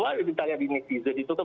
kalau ditanya di netizen itu kan